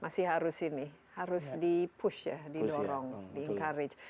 masih harus ini harus di push ya didorong di encourage